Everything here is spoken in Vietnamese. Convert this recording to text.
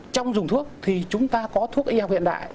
trong dùng thuốc thì chúng ta có thuốc y học hiện đại